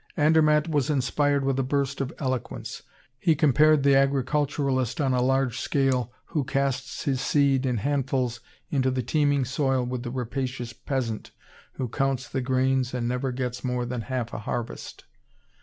Andermatt was inspired with a burst of eloquence. He compared the agriculturist on a large scale who casts his seed in handfuls into the teeming soil with the rapacious peasant who counts the grains and never gets more than half a harvest.